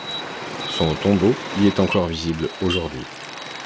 Son tombeau y est encore visible aujourd'hui.